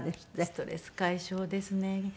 ストレス解消ですね。